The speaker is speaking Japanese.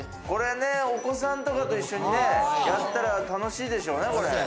これね、お子さんとかと一緒にね、やったら楽しいでしょう。